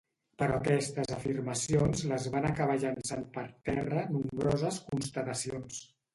Però aquestes afirmacions les van acabar llançant per terra nombroses constatacions.